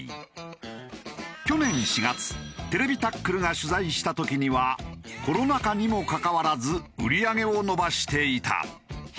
去年４月『ＴＶタックル』が取材した時にはコロナ禍にもかかわらず売り上げを伸ばしていた。